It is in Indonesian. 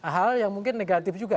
hal yang mungkin negatif juga